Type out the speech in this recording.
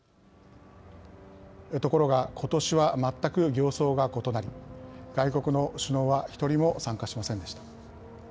ところがことしは全く形相が異なり外国の首脳は１人も参加しませんでした。